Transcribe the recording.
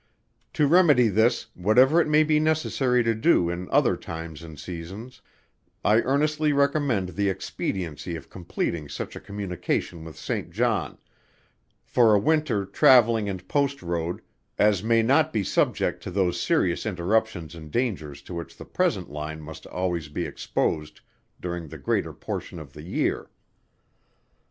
To remedy this, whatever it may be necessary to do in other times and seasons, I earnestly recommend the expediency of completing such a communication with Saint John, for a winter travelling and Post Road, as may not be subject to those serious interruptions and dangers to which the present line must always be exposed, during the greater portion of the year.